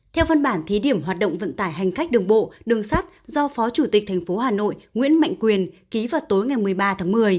theo văn bản thí điểm hoạt động vận tải hành khách đường bộ đường sắt do phó chủ tịch tp hà nội nguyễn mạnh quyền ký vào tối ngày một mươi ba tháng một mươi